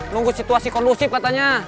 nunggu situasi kondusif katanya